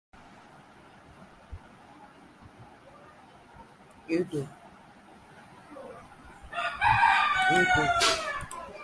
তিনি স্কটিশ ও আইরিশ বংশোদ্ভূত।